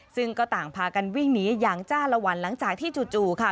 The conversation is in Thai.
ซึ่งก็ต่างพากันวิ่งหนีอย่างจ้าละวันหลังจากที่จู่ค่ะ